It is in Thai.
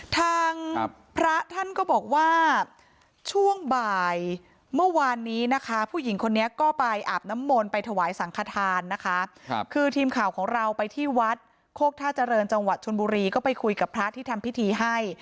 ทางพระท่านก็บอกว่าช่วงบ่ายเมื่อวานนี้นะคะผู้หญิงคนนี้ก็ไปอาบน้ำมนต์ไปถวายสังขทานนะคะคือทีมข่าวของเราไปที่วัดโคกท่าเจริญจังหวัดชนบุรีก็ไปคุยกับพระที่ทำพิธีให้